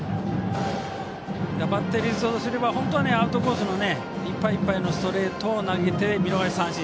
バッテリーからすれば本当はアウトコースのいっぱいいっぱいのストレートを投げて、見逃し三振。